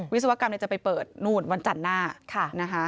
วิศวกรรมจะไปเปิดนู่นวันจันทร์หน้านะคะ